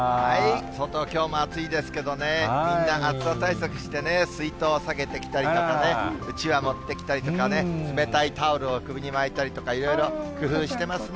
外はきょうも暑いですけどね、みんな暑さ対策してね、水筒をさげてきたりとかね、うちわ持ってきたりとかね、冷たいタオルを首に巻いたりとか、いろいろ工夫してますね。